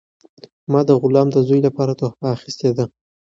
ما د غلام د زوی لپاره تحفه اخیستې ده.